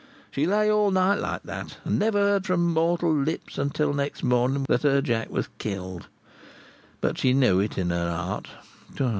She lay all night like that, and never heard from mortal lips until next morning that her Jack was killed. But she knew it in her heart.